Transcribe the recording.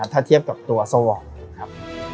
ถ้าเทียบกับตัวสวง